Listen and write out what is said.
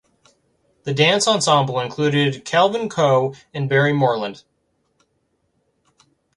The dance ensemble included Kelvin Coe and Barry Moreland.